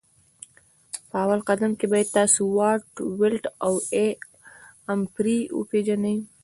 په اول قدم کي باید تاسو واټ ولټ او A امپري وپيژني